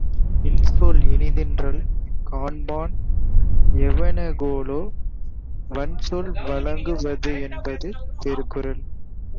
இன்சொல் இனிதீன்றல் காண்பான் எவன்கொலோ வன்சொல் வழங்கு வது என்பது திருக்குறள்.